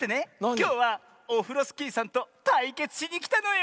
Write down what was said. きょうはオフロスキーさんとたいけつしにきたのよ！